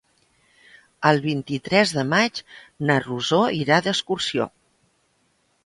El vint-i-tres de maig na Rosó irà d'excursió.